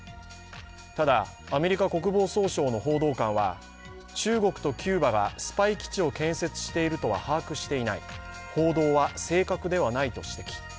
ただ、アメリカ国防総省の報道官は中国とキューバがスパイ基地を建設しているとは把握していない報道は正確ではないと指摘。